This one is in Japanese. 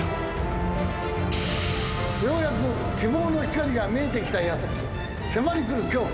ようやく希望の光が見えてきた矢先迫り来る恐怖。